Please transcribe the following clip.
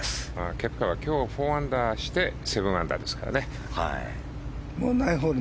ケプカは今日４アンダーして７アンダーですからね。